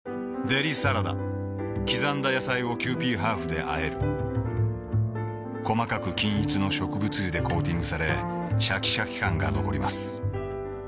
デリサラダ刻んだ野菜をキユーピーハーフであえる細かく均一の植物油でコーティングされシャキシャキ感が残ります